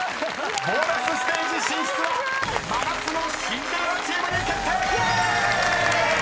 ［ボーナスステージ進出は真夏のシンデレラチームに決定！］